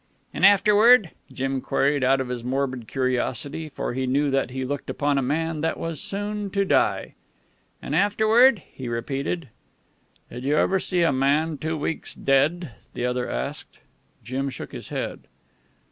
"An' afterward?" Jim queried out of his morbid curiosity, for he knew that he looked upon a man that was soon to die. "An' afterward?" he repeated. "Did you ever see a man two weeks dead?" the other asked. Jim shook his head.